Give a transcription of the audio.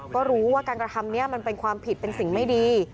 ก็รู้ว่าการกระทำนี้มันเป็นความผิดเป็นสิ่งไม่ดี